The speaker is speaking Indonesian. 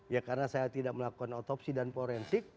ya karena saya tidak melakukan otopsi dan forensik